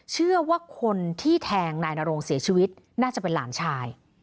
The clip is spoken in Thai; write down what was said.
เชื่อว่าคนที่แทงนายนโรงเสียชีวิตน่าจะเป็นหลานชาย